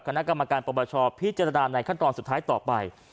คณะกรรมการปรปชพิจารณาในขั้นตอนสุดท้ายต่อไป